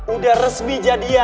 udah resmi jadi